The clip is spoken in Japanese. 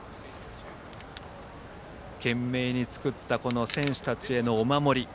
懸命に作った選手たちへのお守り。